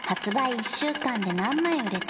１週間で何枚売れた？